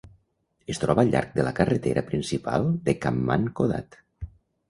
Es troba al llarg de la carretera principal de Khammam-Kodad.